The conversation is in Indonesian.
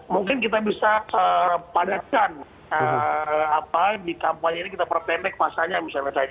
mungkin kita bisa padatkan di kampanye ini kita perpendek masanya misalnya